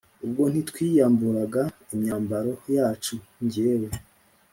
Ubwo ntitwiyamburaga imyambaro yacu jyewe